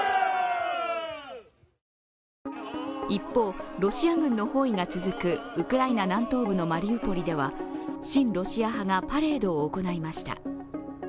一方、ロシア軍の包囲が続くウクライナ南東部のマリウポリでは親ロシア派がパレードを行いました。